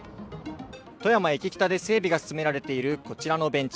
富山駅北で整備が進められているこちらのベンチ。